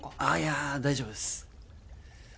ああいや大丈夫です